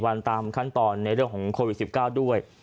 ๑๔วันตามขั้นตอนในเรื่องโควิด๑๙